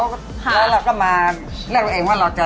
แล้วเราก็มาเรียกตัวเองว่าเราจะ